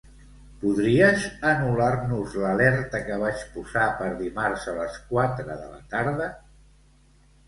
Podries anul·lar-nos l'alerta que vaig posar per dimarts a les quatre de la tarda?